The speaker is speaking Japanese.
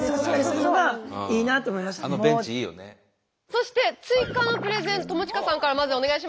そして追加のプレゼン友近さんからまずお願いします。